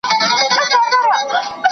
د کرکټرونو د خبرو پر کچه نیوکه شوې ده.